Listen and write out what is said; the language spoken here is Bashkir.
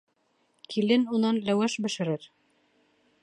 Килен унан ләүәш бешерер.